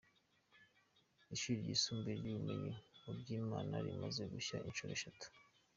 Ishuri ry’isumbuye ry’ubumenyi ryo mu Byimana rimaze gushya inshuro eshatu.